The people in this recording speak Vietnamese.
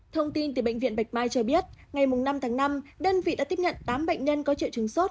thông tin từ bệnh viện bạch mai cho biết ngày năm tháng năm đơn vị đã tiếp nhận tám bệnh nhân có triệu chứng sốt